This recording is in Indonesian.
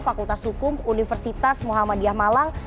fakultas hukum universitas muhammadiyah malang